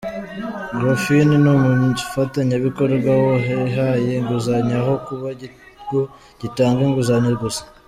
GroFin ni umufatanyabikorwa w’uwo ihaye inguzanyo, aho kuba ikigo gitanga inguzanyo gusa.